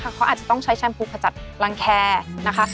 เขาอาจจะต้องใช้แชมพูขจัดรังแคร์นะคะ